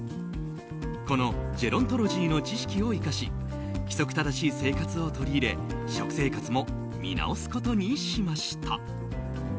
このジェロントロジーの知識を生かし規則正しい生活を取り入れ食生活も見直すことにしました。